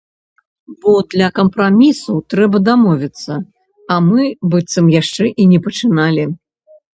Бо для кампрамісу трэба дамовіцца, а мы быццам яшчэ і не пачыналі.